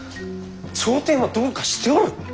朝廷もどうかしておる！